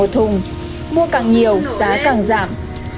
một thùng mua càng nhiều giá càng giảm